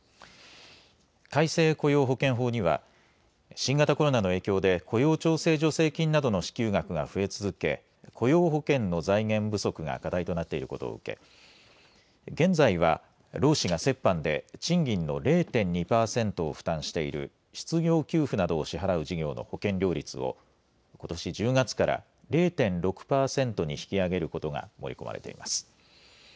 改正雇用保険法には新型コロナの影響で雇用調整助成金などの支給額が増え続け雇用保険の財源不足が課題となっていることを受け現在は労使が折半で賃金の０．２％を負担している失業給付などを支払う事業の保険料率をことし１０月から０．６％に引き上げることが盛り込まれています。